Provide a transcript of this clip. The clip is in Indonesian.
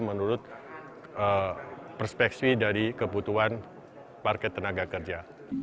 menurut perspeksi dari kebutuhan paket tenaga kerja